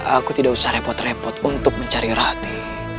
aku tidak usah repot repot untuk mencari rati